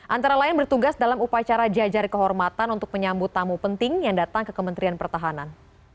antara lain bertugas dalam upacara jajar kehormatan untuk menyambut tamu penting yang datang ke kementerian pertahanan